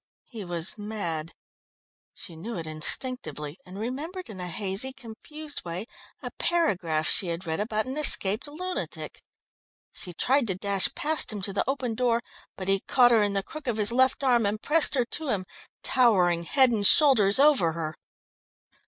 He was mad. She knew it instinctively, and remembered in a hazy, confused way, a paragraph she had read about an escaped lunatic. She tried to dash past him to the open door, but he caught her in the crook of his left arm, and pressed her to him, towering head and shoulders over her.